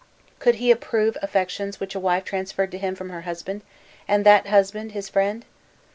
Could he approve affections which a wife transferred to him from her husband, and that husband his friend?"